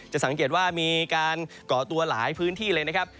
สังเกตว่ามีการก่อตัวหลายพื้นที่เลยนะครับ